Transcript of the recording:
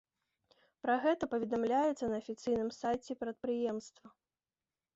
Пра гэта паведамляецца на афіцыйным сайце прадпрыемства.